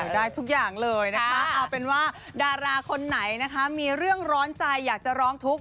ได้ทุกอย่างเลยนะคะเอาเป็นว่าดาราคนไหนนะคะมีเรื่องร้อนใจอยากจะร้องทุกข